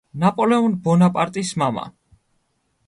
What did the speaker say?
ნაპოლეონ ბონაპარტის მამა.